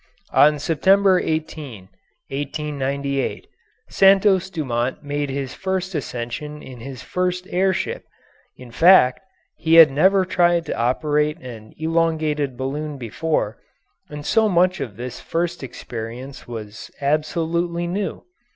On September 18, 1898, Santos Dumont made his first ascension in his first air ship in fact, he had never tried to operate an elongated balloon before, and so much of this first experience was absolutely new.